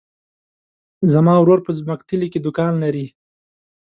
زما ورور په ځمکتلي کې دوکان لری.